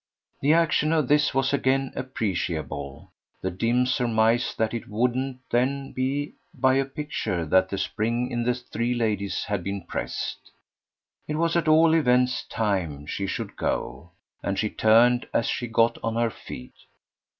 The action of this was again appreciable the dim surmise that it wouldn't then be by a picture that the spring in the three ladies had been pressed. It was at all events time she should go, and she turned as she got on her feet.